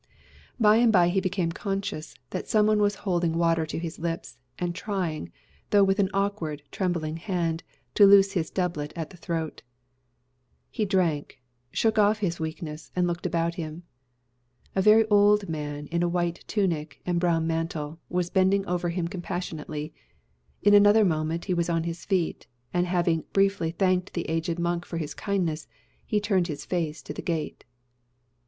By and by he became conscious that some one was holding water to his lips, and trying, though with an awkward, trembling hand, to loose his doublet at the throat. He drank, shook off his weakness, and looked about him. A very old man, in a white tunic and brown mantle, was bending over him compassionately. In another moment he was on his feet; and having briefly thanked the aged monk for his kindness, he turned his face to the gate.